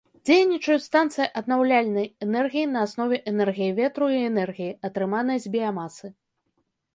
Дзейнічаюць станцыі аднаўляльнай энергіі на аснове энергіі ветру і энергіі, атрыманай з біямасы.